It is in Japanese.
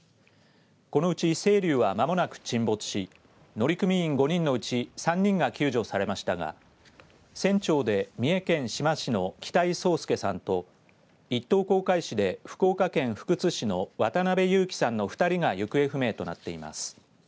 このうちせいりゅうは、まもなく沈没し乗組員５人のうち３人が救助されましたが船長で三重県志摩市の北井宗祐さんと一等航海士で福岡県福津市の渡辺侑樹さんの２人が行方不明となっています。